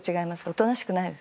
おとなしくないです。